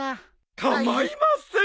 構いません！